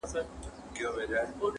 یوه بله کښتۍ ډکه له ماهیانو٫